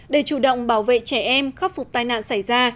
để chủ động bảo vệ trẻ em khắc phục tai nạn xảy ra